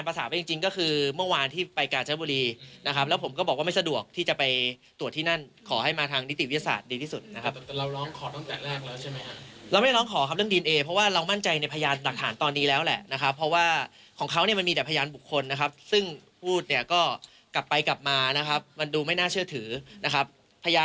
แล้วหลักฐานของเราเนี่ยค่อนข้างจะ